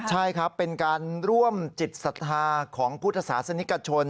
ใช่ครับเป็นการร่วมจิตศรัทธาของพุทธศาสนิกชน